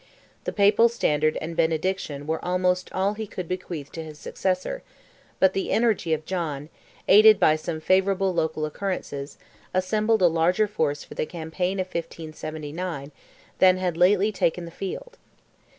The Papal standard and benediction were almost all he could bequeath his successor, but the energy of John, aided by some favourable local occurrences, assembled a larger force for the campaign of 1579 than had lately taken the field.